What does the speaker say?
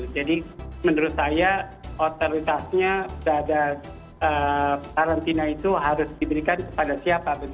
jadi menurut saya otoritasnya pada karantina itu harus diberikan kepada siapa